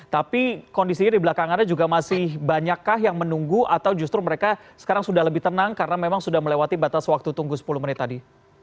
tapi kondisinya di belakang anda juga masih banyakkah yang menunggu atau justru mereka sekarang sudah lebih tenang karena memang sudah melewati batas waktu tunggu sepuluh menit tadi